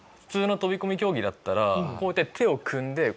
普通の飛込競技だったらこうやって手を組んで。